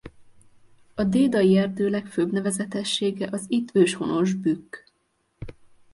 A Dédai-erdő legfőbb nevezetessége az itt őshonos bükk.